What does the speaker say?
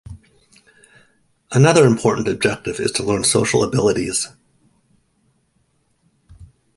Another important objective is to learn social abilities.